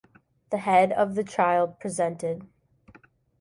The head of the child presented.